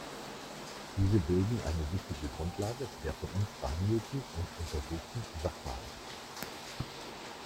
Diese bilden eine wichtige Grundlage der von uns behandelten und untersuchten Sachverhalte.